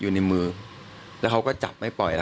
อยู่ในมือแล้วเขาก็จับไม่ปล่อยแล้ว